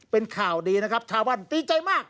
เป็นข่าวดีนะครับชาวบ้านดีใจมาก